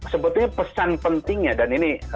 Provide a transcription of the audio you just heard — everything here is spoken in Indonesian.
sebetulnya pesan pentingnya dan ini